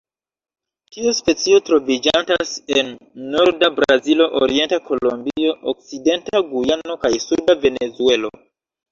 Tiu specio troviĝantas en norda Brazilo, orienta Kolombio, okcidenta Gujano, kaj suda Venezuelo.